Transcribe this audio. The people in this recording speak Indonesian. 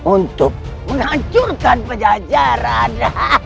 untuk menghancurkan penjajaran